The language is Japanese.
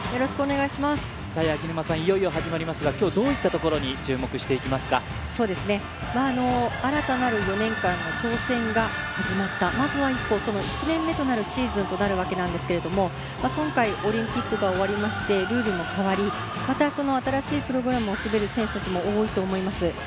いよいよ始まりますが今日どういったところに注目していきますかそうですねまあ新たなる４年間の挑戦が始まったまずは一歩その１年目となるシーズンとなるわけなんですけれども今回オリンピックが終わりましてルールも変わりまたその新しいプログラムを滑る選手達も多いと思います